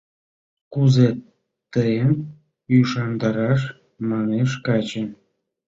— Кузе тыйым ӱшандараш? — манеш каче.